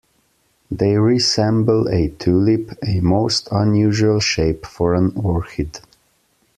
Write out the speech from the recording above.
They resemble a tulip, a most unusual shape for an orchid.